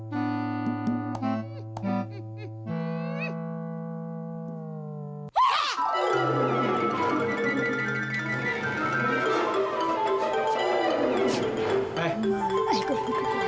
ya misalnya dan kayak gitu buat privileged nation